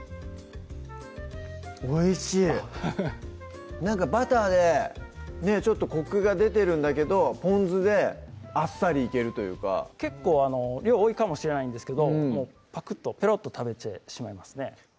おいしいなんかバターでちょっとコクが出てるんだけどぽん酢であっさりいけるというか結構量多いかもしれないんですけどパクッとペロッと食べてしまいますね